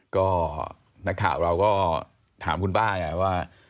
ก็นักข่าวเราก็ถามคุณป้าไงว่า